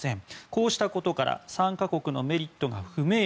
こうしたことから参加国のメリットが不明瞭。